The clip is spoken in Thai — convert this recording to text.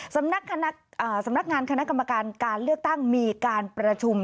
สำนักงานคณะกรรมการการเลือกตั้งมีการประชุม